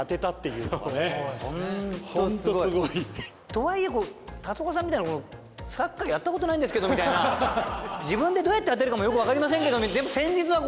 とはいえ龍岡さんみたいなサッカーやったことないんですけどみたいな自分でどうやって当てるかもよく分かりませんけど戦術はこれ。